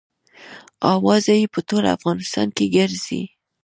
اوازه یې په ټول افغانستان کې ګرزي.